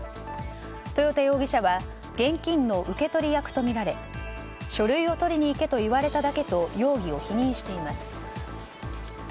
豊田容疑者は現金の受け取り役とみられ書類を取りに行けと言われただけと容疑を否認しています。